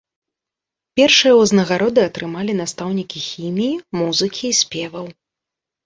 Першыя ўзнагароды атрымалі настаўнікі хіміі, музыкі і спеваў.